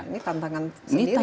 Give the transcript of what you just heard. ini tantangan tersendiri ya